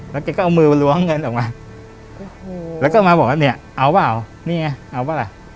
แล้วแกก็เอามือล้วงเงินออกมาแล้วก็มาบอกว่าเนี่ยเอาเปล่านี่ไงเอาป่ะล่ะ